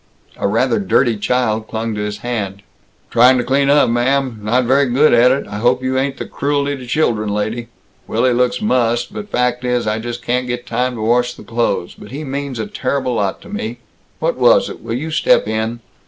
A rather dirty child clung to his hand. "Trying to clean up, ma'am. Not very good at it. I hope you ain't the Cruelty to Children lady. Willy looks mussed, but fact is, I just can't get time to wash the clothes, but he means a terrible lot to me. What was it? Will you step in?"